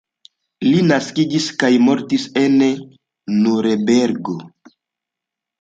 Li naskiĝis kaj mortis en Nurenbergo.